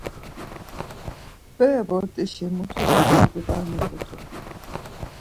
Bere bort̆işi mutuşi derdi var miǧut̆u.